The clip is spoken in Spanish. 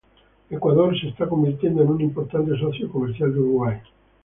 Ecuador se está convirtiendo en un importante socio comercial de Uruguay.